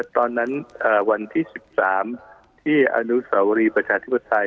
ตอนนั้นวันที่๑๓ที่อนุสาวรีประชาธิบัติไทย